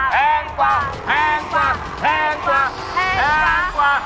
แพงกว่า